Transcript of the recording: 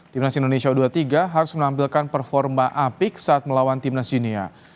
timnas indonesia u dua puluh tiga harus menampilkan performa apik saat melawan timnas jinia